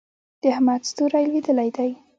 د احمد ستوری لوېدلی دی.